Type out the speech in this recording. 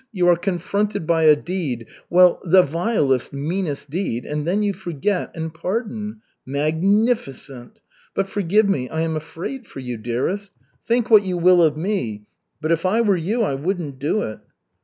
You are confronted by a deed well, the vilest, meanest deed and then you forget and pardon. _Mag_nificent! But forgive me, I am afraid for you, dearest. Think what you will of me, but if I were you, I wouldn't do it."